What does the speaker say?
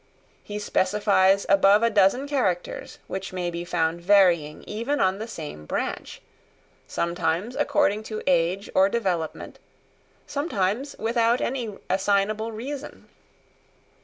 He specifies above a dozen characters which may be found varying even on the same branch, sometimes according to age or development, sometimes without any assignable reason.